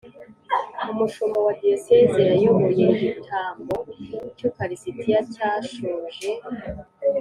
umushumba wa diyosezi yayoboye igitambo cy’ukaristiya cyashoje